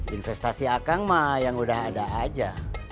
investasi akang mah yang udah ada aja